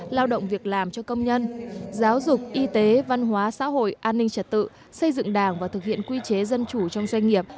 lao động việc làm cho công nhân giáo dục y tế văn hóa xã hội an ninh trật tự xây dựng đảng và thực hiện quy chế dân chủ trong doanh nghiệp